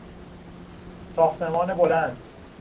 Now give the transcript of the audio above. ساختمان بلند